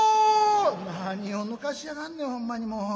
「何をぬかしやがんねんほんまにもう。